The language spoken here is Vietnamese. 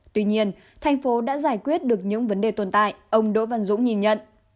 tuy nhiên thành phố đã giải quyết được những vấn đề tồn tại ông đỗ văn dũng nhìn nhận